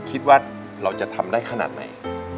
คิดว่าเราจะทำได้ขนาดไหน